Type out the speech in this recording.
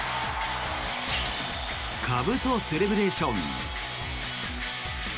かぶとセレブレーション。